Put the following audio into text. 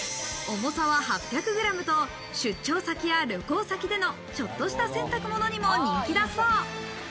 重さは８００ｇと出張先や旅行先でのちょっとした洗濯物にも人気だそう。